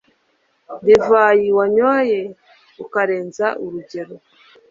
divayi wanyoye ukarenza urugero